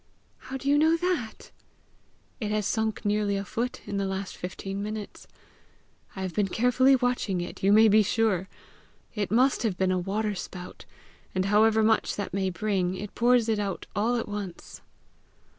"How do you know that?" "It has sunk nearly a foot in the last fifteen minutes: I have been carefully watching it, you may be sure! It must have been a waterspout, and however much that may bring, it pours it out all at once."